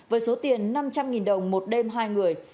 với số tiền năm trăm linh đồng một đêm hai người